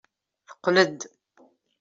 Teqqel-d.